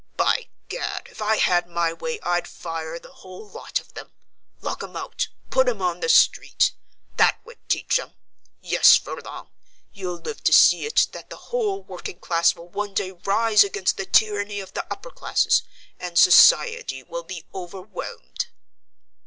"By Gad, if I had my way I'd fire the whole lot of them: lock 'em out, put 'em on the street. That would teach 'em. Yes, Furlong, you'll live to see it that the whole working class will one day rise against the tyranny of the upper classes, and society will be overwhelmed."